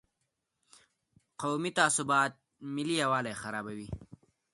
قومي تعصبات ملي یووالي خرابوي.